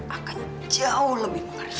akan jauh lebih mengerikan